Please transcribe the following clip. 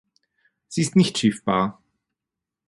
Sie ist nicht schiffbar.